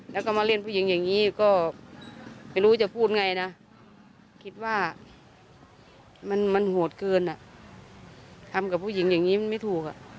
แล้วก็มาเล่นผู้หญิงอย่างนี้ก็ไม่รู้จะพูดไงนะคิดว่ามันโหดเกินอ่ะทำกับผู้หญิงอย่างนี้มันไม่ถูก